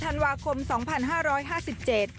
เกิดอะไรขึ้นขึ้นละต้นประมาณนี้คือ